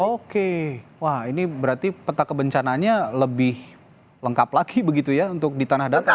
oke wah ini berarti peta kebencanaannya lebih lengkap lagi begitu ya untuk di tanah datar